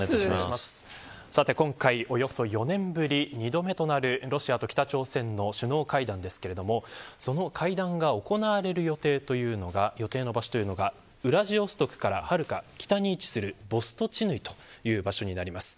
今回４年ぶりに２度目となるロシアと北朝鮮の首脳会談ですがその会談が行われる予定の場所というのがウラジオストクからはるか北に位置するボストチヌイという場所です。